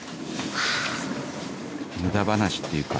ムダ話っていうか